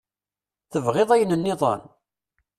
Tebɣiḍ ayen-nniḍen?